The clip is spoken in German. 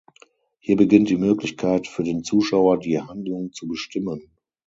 Hier beginnt die Möglichkeit für den Zuschauer die Handlung zu bestimmen.